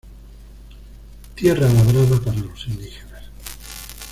Tierra labrada, para los indígenas.